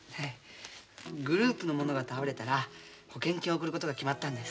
グループの者が倒れたら保険金を贈ることが決まったんです。